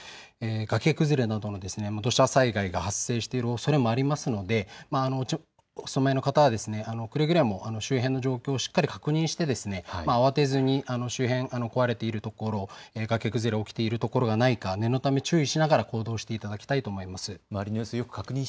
崖崩れなどの土砂災害が発生しているおそれもありますので近くにお住まいの方はくれぐれも周辺の状況をしっかり確認して慌てずに周辺、壊れているところ、崖崩れが起きている所がないか念のため注意しながら行動していただきたいと思います。